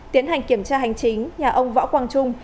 tiến hành kiểm tra hành chính nhà ông võ quang trung